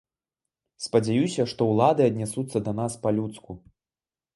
Спадзяюся, што ўлады аднясуцца да нас па-людску.